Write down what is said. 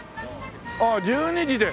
あっ１２時で。